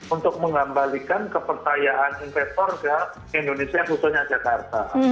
untuk mengembalikan kepercayaan investor ke indonesia khususnya jakarta